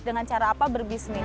dengan cara apa berbisnis